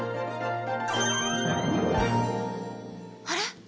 あれ？